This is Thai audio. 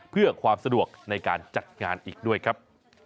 เพื่อความสะดวกในการจัดงานอีกด้วยครับ